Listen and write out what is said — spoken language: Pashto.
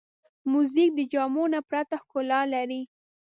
موزیک د جامو نه پرته ښکلا لري.